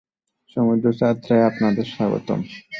সমুদ্রযাত্রায় আপনাদের স্বাগতম।